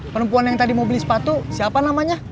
perempuan yang tadi mau beli sepatu siapa namanya